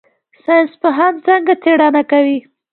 ساینس پوهان څنګه څیړنه کوي؟